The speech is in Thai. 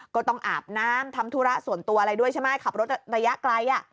ก็ต้องอาบน้ำทำธุระส่วนตัวอะไรด้วยใช่ไหมขับรถระยะไกลอ่ะ